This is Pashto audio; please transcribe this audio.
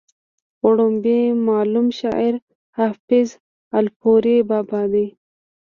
وړومبی معلوم شاعر حافظ الپورۍ بابا دی